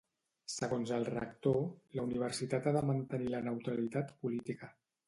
Segons el rector, la universitat ha de mantenir la neutralitat política.